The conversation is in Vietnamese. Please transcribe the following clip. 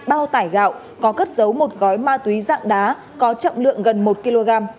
bao tải gạo có cất dấu một gói ma túy dạng đá có chậm lượng gần một kg